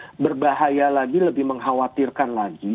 tetapi lebih berbahaya lagi lebih mengkhawatirkan lagi